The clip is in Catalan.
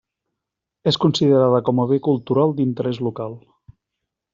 És considerada com a Bé Cultural d'Interès Local.